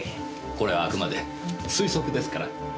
これはあくまで推測ですから。